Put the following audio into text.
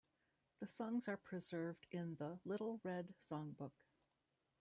The songs are preserved in the Little Red Songbook.